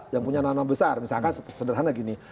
yang punya nama nama besar misalkan sederhana gini